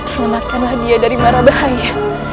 selamatkanlah dia dari marah bahaya